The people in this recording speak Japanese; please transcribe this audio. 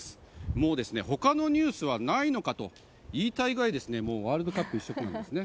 もう、他のニュースはないのかと言いたいくらいワールドカップ一色です。